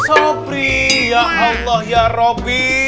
sopri ya allah ya robby